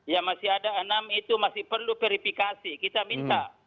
ya masih ada enam itu masih perlu verifikasi kita minta